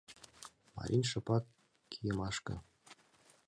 Марин шыпак кийымашке